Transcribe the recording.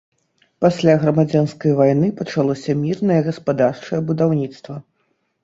Пасля грамадзянскай вайны пачалося мірнае гаспадарчае будаўніцтва.